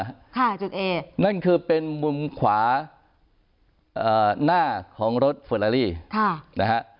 ค่ะจุดเอนั่นคือเป็นมุมขวาหน้าของรถเฟอร์ลาลี่ค่ะนะฮะ